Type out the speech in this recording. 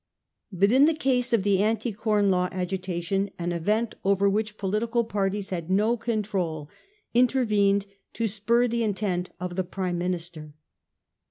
But in the case of the Anti Corn Law agi tation, an event over which political parties had no control intervened to spur the intent of the Prime Minister.